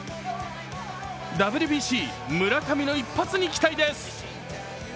ＷＢＣ村上の一発に期待です。